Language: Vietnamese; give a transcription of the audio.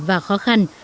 và khó khăn